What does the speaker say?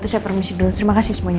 terima kasih semuanya